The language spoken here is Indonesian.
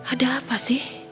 ada apa sih